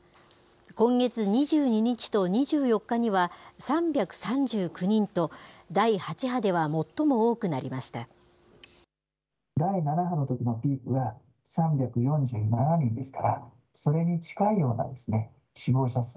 今月２２日と２４日には、３３９人と、第８波では最も多くなりました。